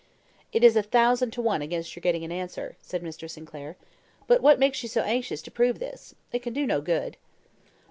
"It is a thousand to one against your getting an answer," said Mr. Sinclair. "But what makes you so anxious to prove this? It can do no good."